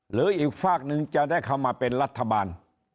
หรืออีกฝากหนึ่งจะได้เข้ามาเป็นรัฐบาล